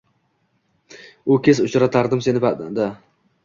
U kez uchratardim seni panada